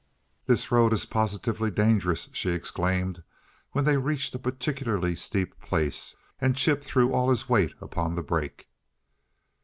"This road is positively dangerous!" she exclaimed when they reached a particularly steep place and Chip threw all his weight upon the brake.